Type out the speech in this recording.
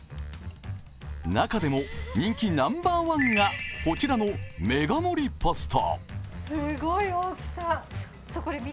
中でも人気ナンバーワンが、こちらのメガ盛りパスタ。